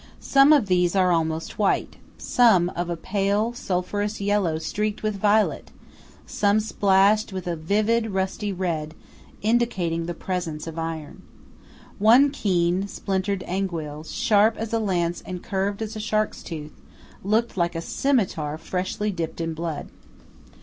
Some of these are almost white; some of a pale sulphurous yellow streaked with violet; some splashed with a vivid, rusty red, indicating the presence of iron. One keen, splintered aiguille, sharp as a lance and curved as a shark's tooth, looked like a scimitar freshly dipped in blood.